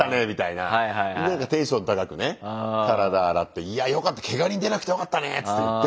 なんかテンション高くね体洗っていやよかったけが人出なくてよかったねっつって言って。